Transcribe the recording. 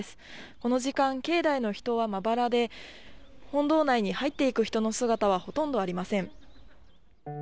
この時間、境内の人はまばらで、本堂内に入っていく人の姿はほとんどありません。